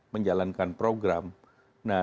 menjalankan program nah